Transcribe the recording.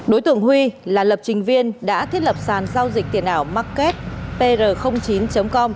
đối tượng huy là lập trình viên đã thiết lập sàn giao dịch tiền ảo marketpr chín com